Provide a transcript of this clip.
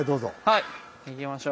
はい行きましょう。